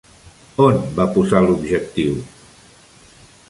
On va posar l'objectiu?